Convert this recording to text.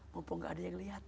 mumpung gak ada yang lihat